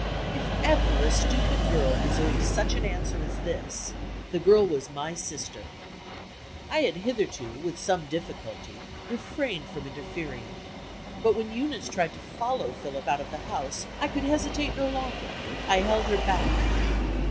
If ever a stupid girl deserved such an answer as this, the girl was my sister. I had hitherto (with some difficulty) refrained from interfering. But when Eunice tried to follow Philip out of the house, I could hesitate no longer; I held her back.